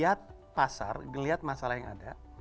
liat pasar ngeliat masalah yang ada